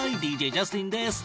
ＤＪジャスティンです。